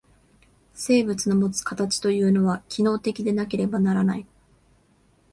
生物のもつ形というのは、機能的でなければならない。